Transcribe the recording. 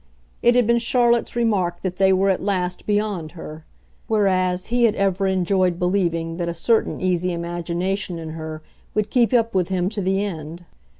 It had been Charlotte's remark that they were at last "beyond" her; whereas he had ever enjoyed believing that a certain easy imagination in her would keep up with him to the end.